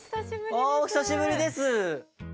あお久しぶりです。